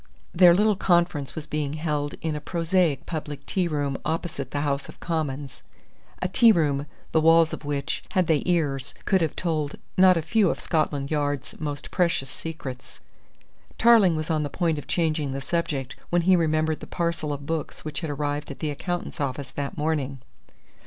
Their little conference was being held in a prosaic public tea room opposite the House of Commons a tea room the walls of which, had they ears, could have told not a few of Scotland Yard's most precious secrets. Tarling was on the point of changing the subject when he remembered the parcel of books which had arrived at the accountant's office that morning.